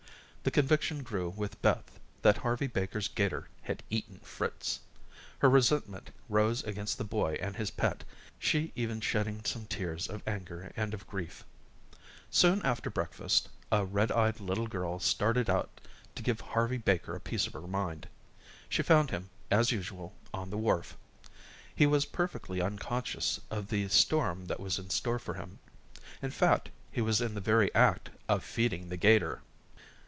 The conviction grew with Beth that Harvey Baker's 'gator had eaten Fritz. Her resentment rose against the boy and his pet, she even shedding some tears of anger and of grief. Soon after breakfast, a red eyed little girl started out to give Harvey Baker a piece of her mind. She found him, as usual, on the wharf. He was perfectly unconscious of the storm that was in store for him. In fact, he was in the very act of feeding the 'gator.